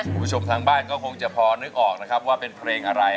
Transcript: คุณผู้ชมทางบ้านก็คงจะพอนึกออกนะครับว่าเป็นเพลงอะไร